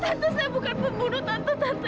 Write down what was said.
tante saya bukan pembunuh tante tante